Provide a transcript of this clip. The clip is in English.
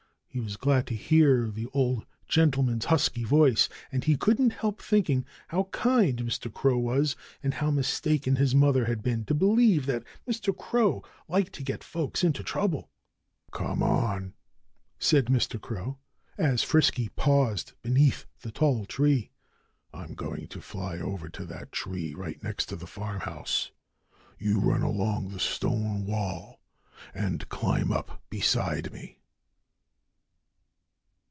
He was glad to hear the old gentleman's husky voice. And he couldn't help thinking how kind Mr. Crow was, and how mistaken his mother had been to believe that Mr. Crow liked to get folks into trouble. "Come on!" said Mr. Crow, as Frisky paused beneath the tall tree. "I'm going to fly over to that tree right next the farmhouse. You run along the stone wall and climb up beside me."